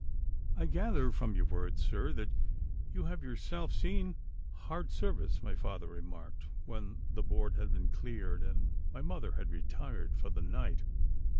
'I gather from your words, sir, that you have yourself seen hard service,' my father remarked when the board had been cleared and my mother had retired for the night.